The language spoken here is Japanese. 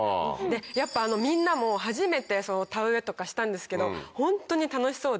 やっぱみんなも初めて田植えとかしたんですけどホントに楽しそうで。